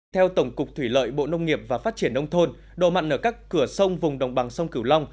theo tổng cục thủy lợi bộ nông nghiệp và phát triển nông thôn độ mặn ở các cửa sông vùng đồng bằng sông cửu long